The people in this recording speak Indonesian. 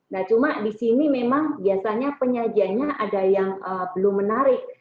nah cuma di sini memang biasanya penyajiannya ada yang belum menarik